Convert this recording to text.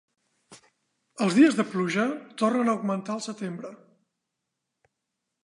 Els dies de pluja tornen a augmentar al setembre.